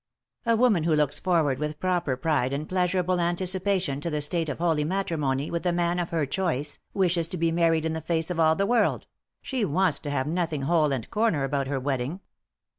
" A woman who looks forward with proper pride and pleasurable anticipation to the state of holy matrimony with the man of her choice, wishes to be married in the face of all the world ; she wants to have nothing hole and corner about her wedding."